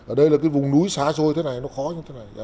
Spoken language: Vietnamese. ở đây là cái vùng núi xa xôi thế này nó khó như thế này